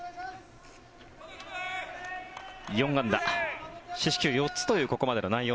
４安打、四死球４つというここまでの内容。